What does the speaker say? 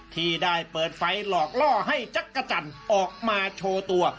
ที่ได้เปิดไฟหลอกล่อให้จักรจันทร์ออกมาโชว์ตัว